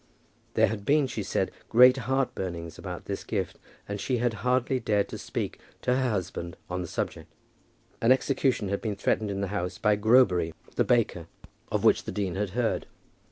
There had been, she said, great heartburnings about this gift, and she had hardly dared to speak to her husband on the subject. An execution had been threatened in the house by Grobury, the baker, of which the dean had heard.